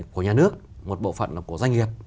của nhà nước một bộ phận của doanh nghiệp